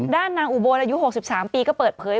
ด้านนางอุบลอายุ๖๓ปีก็เปิดเผย